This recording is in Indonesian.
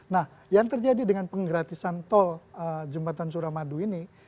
nah yang terjadi dengan penggratisan tol jembatan suramadu ini